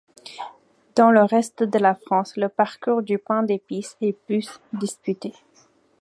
Dans le reste de la France le parcours du pain d’épice est plus disputé.